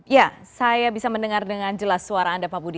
ya saya bisa mendengar dengan jelas suara anda pak budi